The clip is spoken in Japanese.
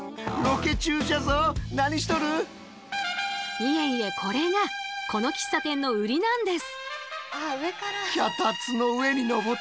いえいえこれがこの喫茶店の売りなんです。